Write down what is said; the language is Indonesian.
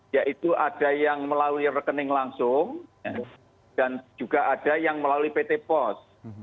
yaitu ada yang melalui rekening langsung dan juga ada yang melalui pt pos